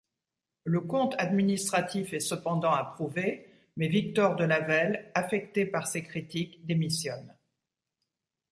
Le compte administratif est cependant approuvé mais Victor Delavelle, affecté par ces critiques, démissionne.